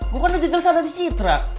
gue kan udah jelas ada di citra